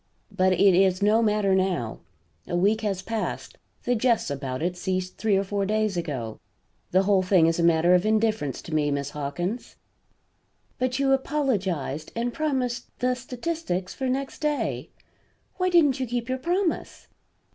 But it is no matter now. A week has passed; the jests about it ceased three or four days ago. The whole thing is a matter of indifference to me, Miss Hawkins." "But you apologized; and promised the statistics for next day. Why didn't you keep your promise."